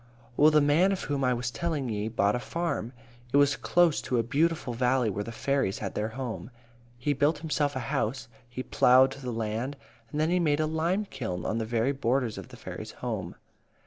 "Well, the man of whom I was tellin' ye bought a farm. It was close to a beautiful valley where the fairies had their home. He built himself a house; he ploughed the land; and then he made a lime kiln on the very borders of the fairies' home.